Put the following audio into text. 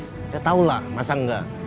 saya tau lah masa enggak